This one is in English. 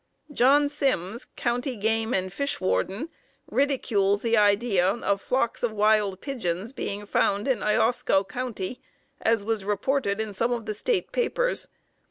John Sims, county game and fish warden, ridicules the idea of flocks of wild pigeons being found in Iosco County, as was reported in some of the State papers.